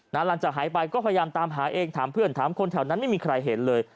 หลังจากหายไปก็พยายามตามหาเองถามเพื่อนถามคนแถวนั้นไม่มีใครเห็นเลย